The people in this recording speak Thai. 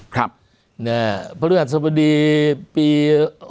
พระฤาษฎสบดีปี๑๙๖๕